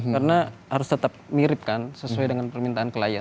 karena harus tetap mirip kan sesuai dengan permintaan klien